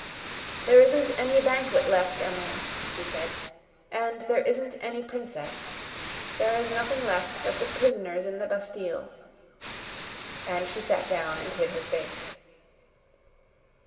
"There isn't any banquet left, Emily," she said. "And there isn't any princess. There is nothing left but the prisoners in the Bastille." And she sat down and hid her face.